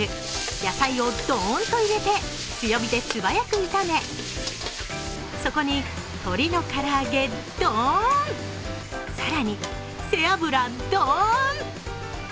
野菜をどーんと入れて、強火で素早く炒め、そこに鶏の唐揚げ、ドン、更に、背脂ドーン！